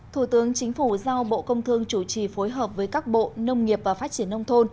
thủ tướng chính phủ giao bộ công thương chủ trì phối hợp với các bộ nông nghiệp và phát triển nông thôn